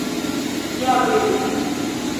Ja vere!